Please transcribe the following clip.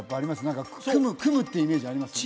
何か組むっていうイメージあります？